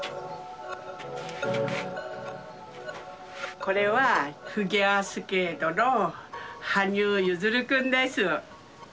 これはフィギュアスケートの羽生結弦君です。